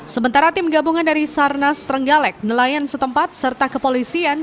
sementara tim gabungan dari sarnas trenggalek nelayan setempat serta kepolisian